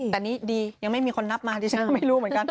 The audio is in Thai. แต่นี่ดียังไม่มีคนนับมาดิฉันก็ไม่รู้เหมือนกัน